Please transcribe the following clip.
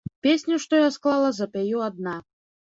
Песню, што я склала, запяю адна.